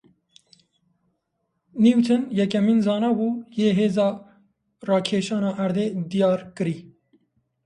Nîwtin yekemîn zane bû, yê hêza rakêşana erdê diyar kirî